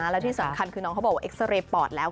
แล้วที่สำคัญคือน้องเขาบอกว่าเอ็กซาเรย์ปอดแล้ว